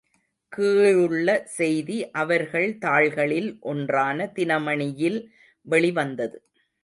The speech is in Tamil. கீழுள்ள செய்தி அவர்கள் தாள்களில் ஒன்றான தினமணி யில் வெளிவந்தது.